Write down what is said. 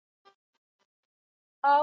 هغه کششي قوه باید تل موجوده وي.